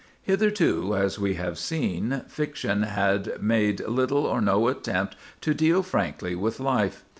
Hitherto, as we have seen, fiction had made little or no attempt to deal frankly with life.